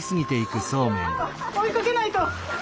追いかけないと。